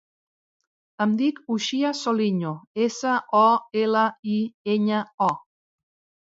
Em dic Uxia Soliño: essa, o, ela, i, enya, o.